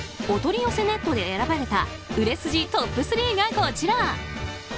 おとりよせネットで選ばれた売れ筋トップ３がこちら。